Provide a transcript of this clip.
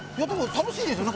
楽しいですよね